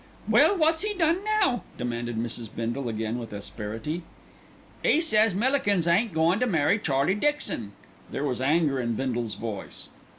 "Well, what's he done now?" demanded Mrs. Bindle again with asperity. "'E says Millikins ain't goin' to marry Charlie Dixon." There was anger in Bindle's voice.